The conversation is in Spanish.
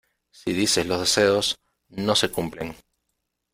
si dices los deseos, no se cumplen.